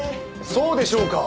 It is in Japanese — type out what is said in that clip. そうでしょうか。